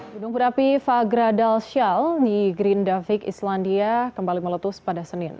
gunung berapi fagradalsjall di grindavik islandia kembali meletus pada senin